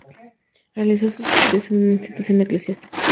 Realizó sus estudios en una institución eclesiástica.